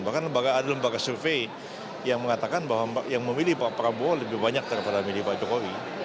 bahkan ada lembaga survei yang mengatakan bahwa yang memilih pak prabowo lebih banyak daripada milih pak jokowi